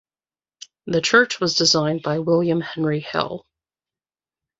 The church was designed by William Henry Hill.